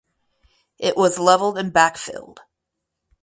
It was levelled and backfilled.